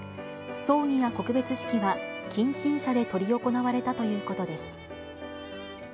葬儀や告別式は近親者で執り行われたということです。